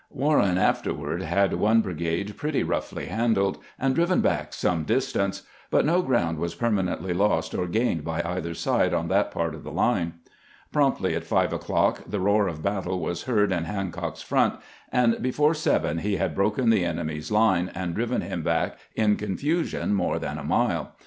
Warren afterward had one brigade pretty roughly handled, and driven back some distance ; but no ground was perma nently lost or gained by either side on that part of the line. Promptly at five o'clock the roar of battle was heard in Hancock's front, and before seven he had broken the enemy's line, and driven him back in con fusion more than a mile.